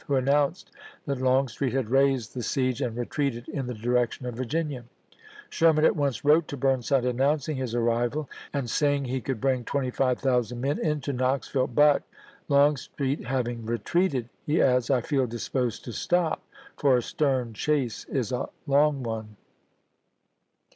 who announced that Longstreet had raised the "Rebellion ^ Record." siege and retreated in the direction of Virginia. ^<J J^^|" Sherman at once wrote to Burnside announcing his arrival, and saying he could bring 25,000 men into Knoxville, but, " Longstreet having retreated," H^f^j*^'"^^ he adds, " I feel disposed to stop, for a stern chase Grant. is a long one."